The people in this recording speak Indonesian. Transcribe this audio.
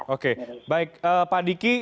oke baik pak diki